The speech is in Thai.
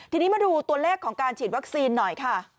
ทีนี้มาดูตัวเลขของการฉีดวัคซีนหน่อยค่ะ